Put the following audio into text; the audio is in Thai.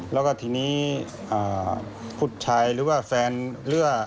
แล้วก็ทีนี้ผู้ชายหรือว่าแฟนเรือ